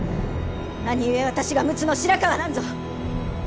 何故私が陸奥の白河なんぞ！